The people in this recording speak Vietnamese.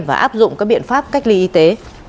và áp dụng các biện pháp cách ly y tế